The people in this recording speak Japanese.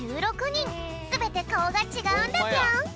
すべてかおがちがうんだぴょん。